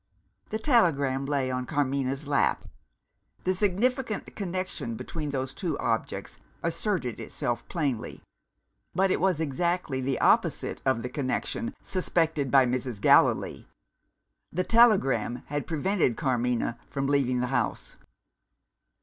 The telegram lay on Carmina's lap. The significant connection between those two objects asserted itself plainly. But it was exactly the opposite of the connection suspected by Mrs. Gallilee. The telegram had prevented Carmina from leaving the house.